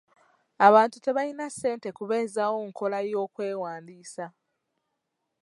Abantu tebalina ssente kubeezawo nkola y'okwewandiisa.